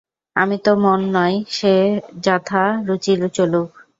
আমি তো মন নই, সে যথা রুচি চলুক।